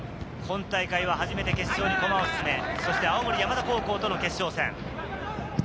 今大会は初めて決勝に駒を進め、青森山田高校との決勝戦。